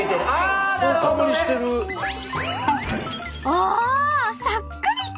おおそっくり！